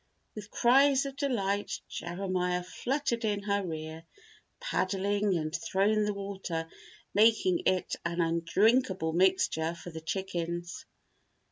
With cries of delight, Jeremiah fluttered in her rear, paddling and throwing the water, making it an undrinkable mixture for the chickens.